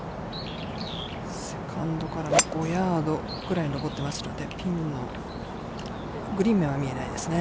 セカンドから、５ヤードぐらい上っていますので、ピンの、グリーン面は見えないですね。